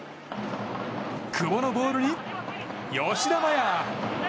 久保のボールに吉田麻也！